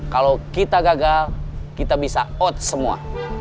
kalau kita gagal kita bisa out semua